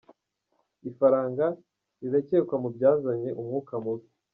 Ifaranga, rirakekwa mu byazanye umwuka mubi.